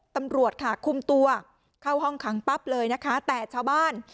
ตำรวจค่ะคุมตัวเข้าห้องขังปั๊บเลยนะคะแต่ชาวบ้าน